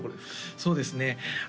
そうですね